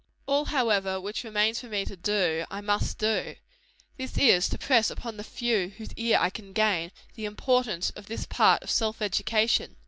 All, however, which remains for me to do, I must do. This is, to press upon the few whose ear I can gain, the importance of this part of self education.